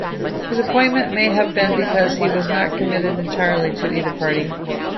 His appointment may have been because he was not committed entirely to either party.